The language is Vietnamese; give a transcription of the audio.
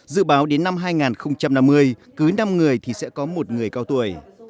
dự báo đến năm hai nghìn năm mươi cứ năm người thì sẽ có một người cao tuổi